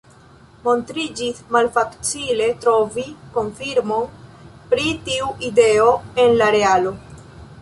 Montriĝis malfacile trovi konfirmon pri tiu ideo en la realo.